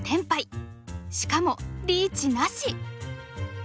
しかもリーチなし。